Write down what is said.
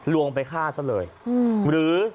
ลวงไปฆ่าซะเลย